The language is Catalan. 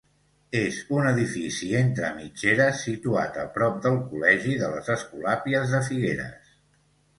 És un edifici entre mitgeres situat a prop del col·legi de les Escolàpies de Figueres.